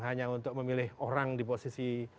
hanya untuk memilih orang di posisi